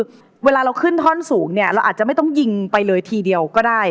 คือเวลาเราขึ้นท่อนสูงเนี่ยเราอาจจะไม่ต้องยิงไปเลยทีเดียวก็ได้